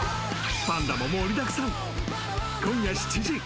パンダも盛りだくさん。